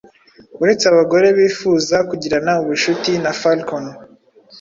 Uretse abagore bifuza kugirana ubucuti na Falcon